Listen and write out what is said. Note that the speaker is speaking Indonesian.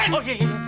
jangan dikasih bang